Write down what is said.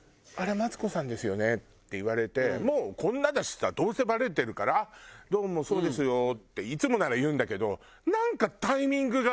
マツコさんですよね？」って言われてもうこんなだしさどうせバレてるから「あっどうもそうですよ」っていつもなら言うんだけどなんかタイミングが。